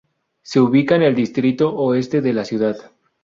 Se ubica en el Distrito Oeste de la ciudad.